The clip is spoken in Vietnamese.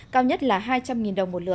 cao nhất là hai trăm linh đồng một lửa